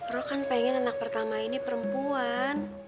roh kan pengen anak pertama ini perempuan